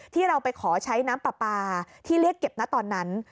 ที่เราไปขอใช้น้ำปลาปลาที่เรียกเก็บนะตอนนั้น